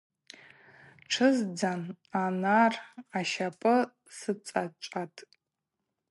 Тшыздзан анар ащапӏы сыцӏачӏватӏ.